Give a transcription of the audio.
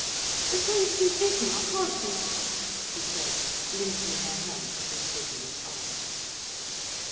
"We're going to do Bismarck, aren't we?" she said, linking her hand through Gudrun's arm.